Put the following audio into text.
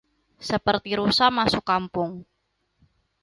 Seperti rusa masuk kampung